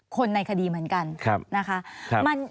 คนในคดีเหมือนกันนะคะ